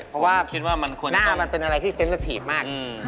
เพราะว่าหน้ามันเป็นอะไรที่เซ็นสาธิตมาก